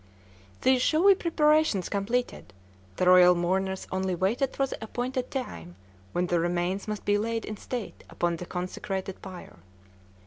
These showy preparations completed, the royal mourners only waited for the appointed time when the remains must be laid in state upon the consecrated pyre.